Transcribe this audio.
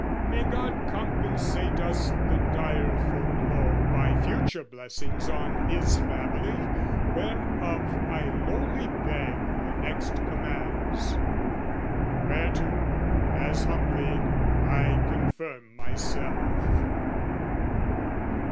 "May God compensate us the direful blow "By future blessings on his family "Whereof I lowly beg the next commands; " Whereto, as humbly, I confirm myself..."